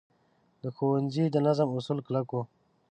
د ښوونځي د نظم اصول کلک وو.